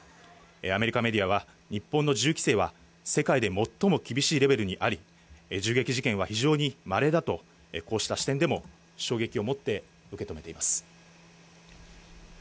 アメリカメディアは、日本の銃規制は世界で最も厳しいレベルにあり、銃撃事件は非常にまれだと、こうした視点でも衝撃を持って受け止めています。